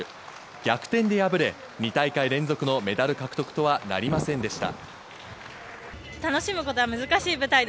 逆転で敗れ、２大会連続のメダル獲得とはなりませんでした。